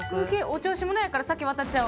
お調子者やから先渡っちゃお。